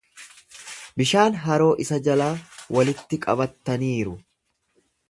Bishaan haroo isa jalaa walitti qabattaniiru.